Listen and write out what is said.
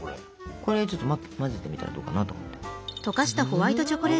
これちょっと混ぜてみたらどうかなと思って。